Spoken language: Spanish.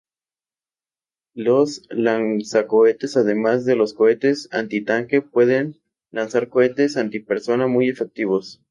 Los lanzacohetes, además de los cohetes antitanque, pueden lanzar cohetes antipersona muy efectivos.